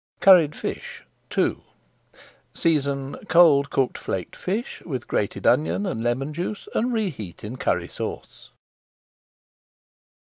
CURRIED FISH II Season cold cooked flaked fish with grated onion and lemon juice and reheat in Curry Sauce.